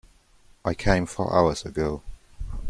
I came Four hours ago.